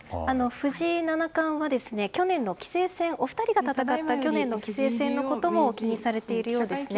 藤井七冠はお二人が戦った去年の棋聖戦のことも気にされているようですね。